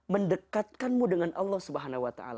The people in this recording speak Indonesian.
mendekatkanmu dengan allah swt